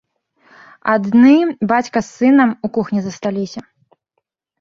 Адны, бацька з сынам, у кухні засталіся.